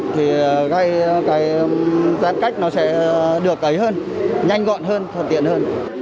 thì cái giãn cách nó sẽ được ấy hơn nhanh gọn hơn thuận tiện hơn